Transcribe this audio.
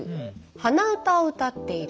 「鼻歌を歌っている」